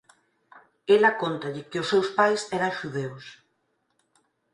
Ela cóntalle que os seus pais eran xudeus.